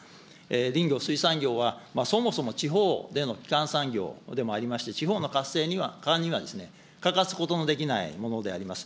林業、水産業はそもそも地方での基幹産業でもありまして、地方の活性には欠かすことができないものであります。